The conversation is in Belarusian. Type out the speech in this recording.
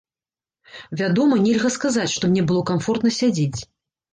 Вядома, нельга сказаць, што мне было камфортна сядзець.